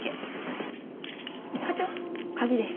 課長鍵です。